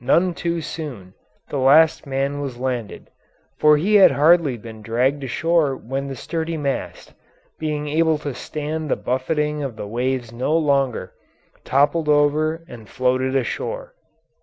None too soon the last man was landed, for he had hardly been dragged ashore when the sturdy mast, being able to stand the buffeting of the waves no longer, toppled over and floated ashore.